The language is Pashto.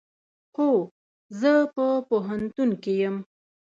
هو، زه په پوهنتون کې یم